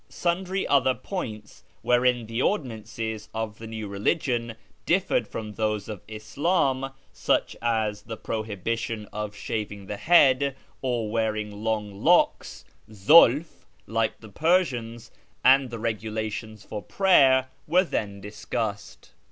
Sundry other points wherein the ordinances of the new reKgion differed from those of Islam, such as the prohibition of shaving the head or wearing long locks (zidf) like the Persians, and the regulations for prayer, were then discussed.